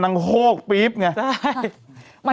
นางห้วกปิ๊บได้เนี่ย